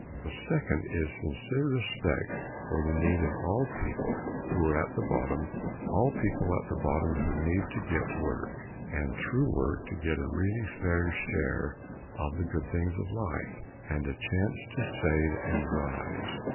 The second is sincere respect for the need of all people who are at the bottom, all people at the bottom who need to get work and through work to get a really fair share of the good things of life, and a chance to save and rise.